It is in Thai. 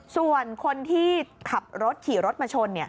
ส่วนคนที่ขับรถขี่รถมาชน